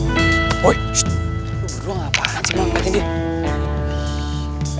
lu berdua ngapain sih